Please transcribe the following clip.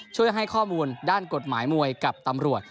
ช่วยให้ข้อมูลด้านกฎหมายมวยกับตำรวจ